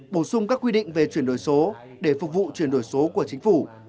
bổ sung các quy định về chuyển đổi số để phục vụ chuyển đổi số của chính phủ